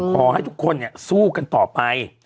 เพราะให้ทุกคนสู้กันต่อไป